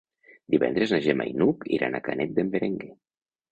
Divendres na Gemma i n'Hug iran a Canet d'en Berenguer.